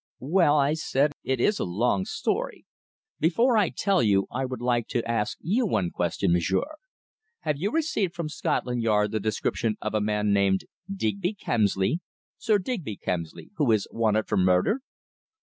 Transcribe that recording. "Well," I said. "It is a long story. Before I tell you, I would like to ask you one question, m'sieur. Have you received from Scotland Yard the description of a man named Digby Kemsley Sir Digby Kemsley who is wanted for murder?"